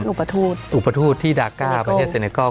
อุปทธูตที่ดาร์ก้าประเทศเซเนกอล